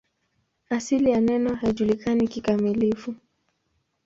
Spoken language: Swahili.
Asili ya neno haijulikani kikamilifu.